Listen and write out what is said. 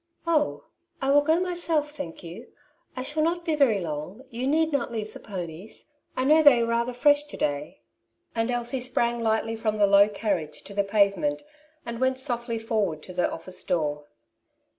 '^ Oh, I will go myself, thank you ; I shall not be very long, you need not leave the ponies. I know they are rather fresh to day/' And Elsie sprang lightly from the low carriage to the pave ^ ment, and went softly forward to the office door.